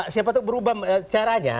siapa tahu berubah caranya